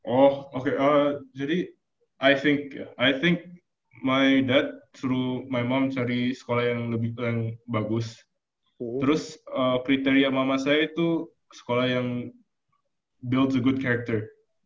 oh oke jadi i think my dad through my mom cari sekolah yang lebih bagus terus kriteria mama saya itu sekolah yang build a good character